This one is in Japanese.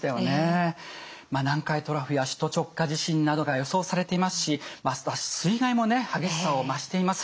南海トラフや首都直下地震などが予想されていますしますます水害もね激しさを増しています。